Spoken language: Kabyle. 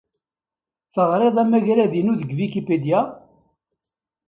Teɣriḍ amagrad-inu deg Wikipedia?